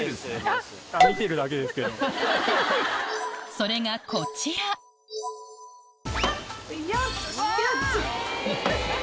それがこちらよっ！